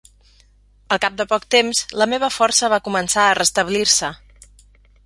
Al cap de poc temps, la meva força va començar a restablir-se.